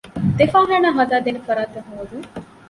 ދެ ފާޚާނާ ހަދައިދޭނެ ފަރާތެއް ހޯދަން